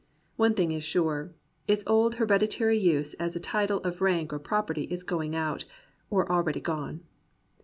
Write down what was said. One thing is sure, its old hereditary use as a title of rank or property is going out, or already gone.